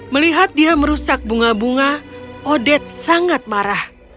melihat dia merusak bunga bunga odet sangat marah